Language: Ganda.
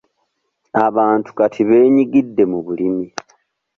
Abantu kati benyigidde mu bulimi.